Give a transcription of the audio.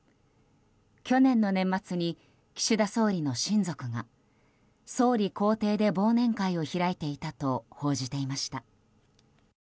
去年の年末に岸田総理の親族が総理公邸で忘年会を開いていたと報じていました。